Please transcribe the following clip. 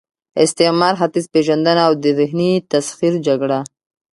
استعمار، ختیځ پېژندنه او د ذهني تسخیر جګړه